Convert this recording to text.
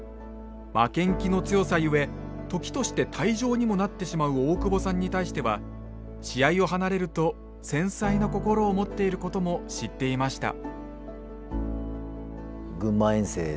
負けん気の強さゆえ時として退場にもなってしまう大久保さんに対しては試合を離れると繊細な心を持っていることも知っていました。